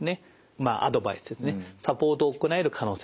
まあアドバイスですねサポートを行える可能性があるんですよ。